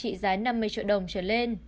trị giá năm mươi triệu đồng trở lên